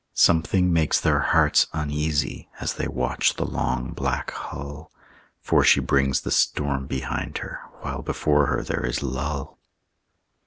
Something makes their hearts uneasy As they watch the long black hull, For she brings the storm behind her While before her there is lull.